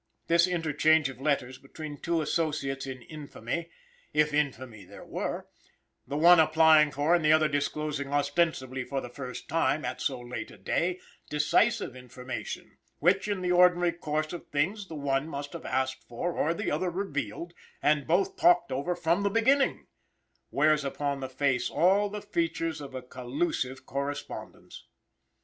This interchange of letters between two associates in infamy, if infamy there were, the one applying for, and the other disclosing ostensibly for the first time, at so late a day, decisive information, which, in the ordinary course of things, the one must have asked for or the other revealed, and both talked over from the beginning, wears upon the face all the features of a collusive correspondence.